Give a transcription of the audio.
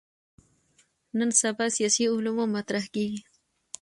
نن سبا سیاسي علومو مطرح کېږي.